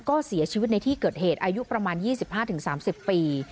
ก็เสียชีวิตในที่เกิดเหตุอายุประมาณ๒๕๓๐ปี